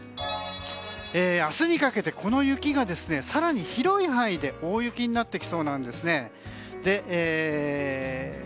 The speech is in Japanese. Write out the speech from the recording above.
明日にかけてこの雪が更に広い範囲で大雪になってきそうなんです。